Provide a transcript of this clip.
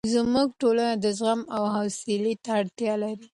زموږ ټولنه زغم او حوصلې ته اړتیا لري.